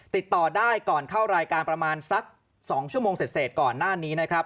ติดต่อได้ก่อนเข้ารายการประมาณสัก๒ชั่วโมงเสร็จก่อนหน้านี้นะครับ